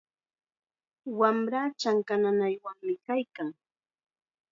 Wamraa chanka nanaywanmi kaykan.